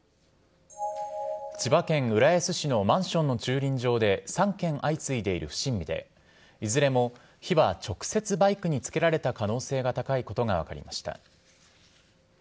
千葉県浦安市のマンションの駐輪場で、３件相次いでいる不審火で、いずれも火は直接バイクにつけられた可能性が高いことが分かりました。